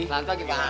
selamat pagi pak